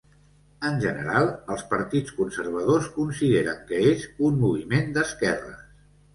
En general els partits conservadors consideren que és un moviment d'esquerres.